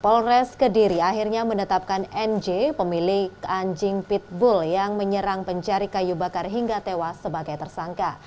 polres kediri akhirnya menetapkan nj pemilik anjing pitbull yang menyerang pencari kayu bakar hingga tewas sebagai tersangka